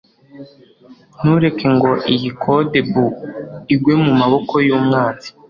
Ntureke ngo iyi codebook igwe mumaboko yumwanzi